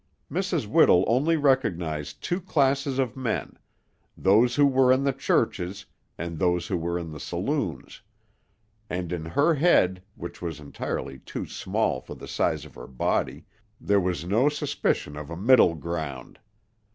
Mrs. Whittle only recognized two classes of men; those who were in the churches, and those who were in the saloons; and in her head, which was entirely too small for the size of her body, there was no suspicion of a middle ground.